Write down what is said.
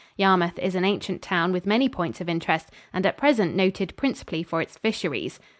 Yarmouth is an ancient town with many points of interest and at present noted principally for its fisheries.